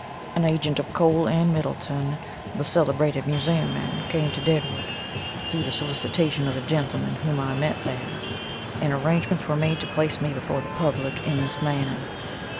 An agent of Kohl & Middleton, the celebrated Museum men came to Deadwood, through the solicitation of the gentleman who I had met there and arrangements were made to place me before the public in this manner.